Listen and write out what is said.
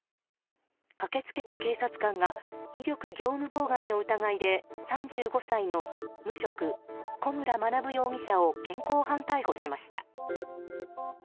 駆け付けた警察官が威力業務妨害の疑いで３５歳の無職・古村学容疑者を現行犯逮捕しました。